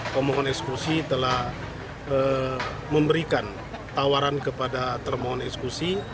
pemohon eksekusi telah memberikan tawaran kepada termohon eksekusi